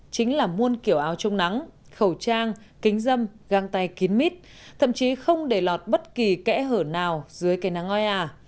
chính là muôn kiểu áo trong nắng khẩu trang kính dâm găng tay kín mít thậm chí không để lọt bất kỳ kẽ hở nào dưới cây nắng oi ả